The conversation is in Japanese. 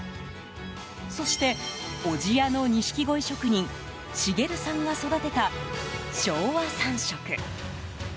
そして小千谷の錦鯉職人茂さんが育てた、昭和三色。